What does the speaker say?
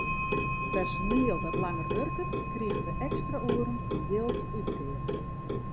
Personiel dat langer wurket, kriget de ekstra oeren yn jild útkeard.